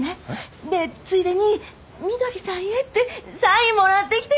でついでに「みどりさんへ」ってサインもらってきて！